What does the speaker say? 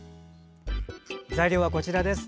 材料はこちらです。